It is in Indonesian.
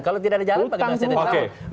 kalau tidak ada jalan bagaimana jalan